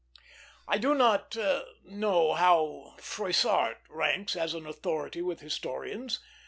I do not know how Froissart ranks as an authority with historians.